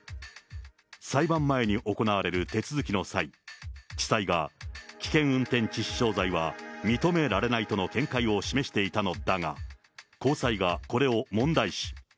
裁判前に行われる手続きの際、地裁が、危険運転致死傷罪は認められないとの見解を示していたのだが、高裁がこれを問題視。